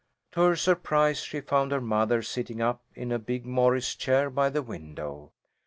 To her surprise, she found her mother sitting up in a big Morris chair by the window.